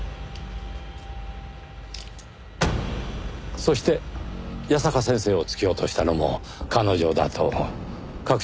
そして矢坂先生を突き落としたのも彼女だと確信したわけですね？